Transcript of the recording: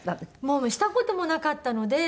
した事もなかったので。